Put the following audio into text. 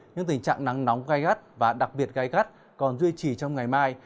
nhưng tình trạng nắng nóng gai gắt và đặc biệt gai gắt còn duy trì trong ngày mai